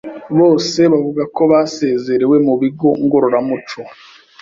bose bavuga ko basezerewe mu bigo ngororamuco